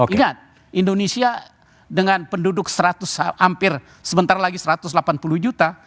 ingat indonesia dengan penduduk seratus hampir sebentar lagi satu ratus delapan puluh juta